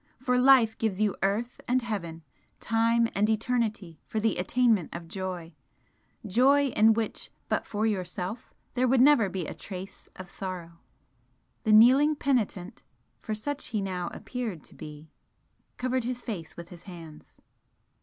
for life gives you earth and heaven, time and eternity for the attainment of joy joy, in which, but for Yourself, there would never be a trace of sorrow!" The kneeling penitent for such he now appeared to be covered his face with his hands.